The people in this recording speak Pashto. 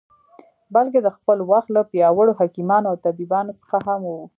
بلکې د خپل وخت له پیاوړو حکیمانو او طبیبانو څخه هم و.